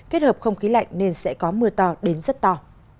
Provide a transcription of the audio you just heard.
kết hợp không khí lạnh nên sẽ có mưa to đến rất to